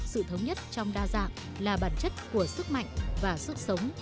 sự thống nhất trong đa dạng là bản chất của sức mạnh và sức sống của phong trào